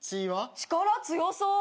力強そう！